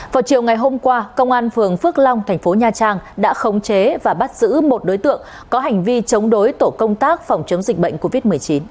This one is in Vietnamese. vào chiều ngày hôm qua công an phường phước long thành phố nha trang đã khống chế và bắt giữ một đối tượng có hành vi chống đối tổ công tác phòng chống dịch bệnh covid một mươi chín